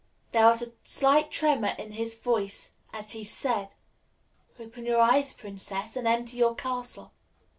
There was a slight tremor in his voice as he said: "Open your eyes, Princess, and enter your castle."